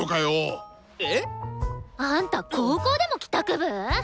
えっ！？あんた高校でも帰宅部！？